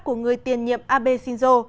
của người tiền nhiệm abe shinzo